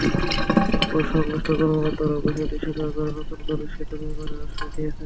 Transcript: পরে সংশ্লিষ্ট কর্মকর্তারাও বিষয়টি স্বীকার করে নতুন করে সেতু নির্মাণের আশ্বাস দিয়েছেন।